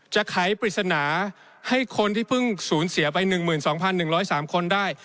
ไขปริศนาให้คนที่เพิ่งสูญเสียไป๑๒๑๐๓คนได้